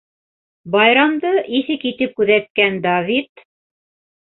Байрамды иҫе китеп күҙәткән Давид: